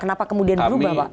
kenapa kemudian berubah pak